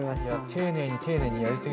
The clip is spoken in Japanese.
丁寧に丁寧にやり過ぎると。